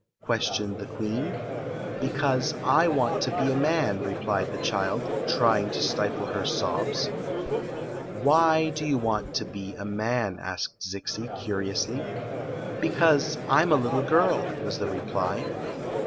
questioned the queen. " Because I want to be a man," replied the child, trying to stifle her sobs. " Why do you want to be a man >" asked Zixi, curiously " Because I 'm a litde girl," was the reply.